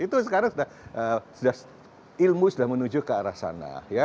itu sekarang sudah ilmu sudah menuju ke arah sana